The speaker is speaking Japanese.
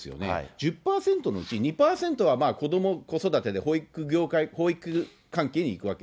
１０％のうち２％は子ども、子育てで保育関係に行くわけ。